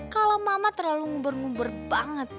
kalau mama terlalu nguber nguber banget